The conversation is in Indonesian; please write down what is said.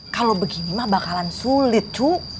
kalo begini ma bakalan sulit cu